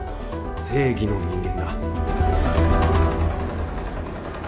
正義の人間だ